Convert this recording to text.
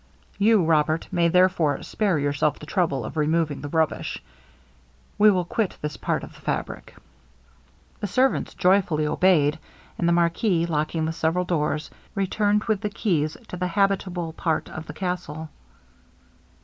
You, Robert, may therefore spare yourself the trouble of removing the rubbish; we will quit this part of the fabric.' The servants joyfully obeyed, and the marquis locking the several doors, returned with the keys to the habitable part of the castle.